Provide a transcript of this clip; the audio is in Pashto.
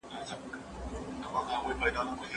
د کورنۍ شخړې يې د خبرو له لارې حل کېدې.